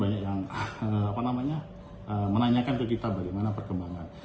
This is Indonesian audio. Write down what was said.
banyak yang menanyakan ke kita bagaimana perkembangan